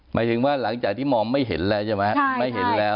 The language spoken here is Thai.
หมายถึงว่าหลังจากที่มองไม่เห็นแล้วใช่ไหมฮะ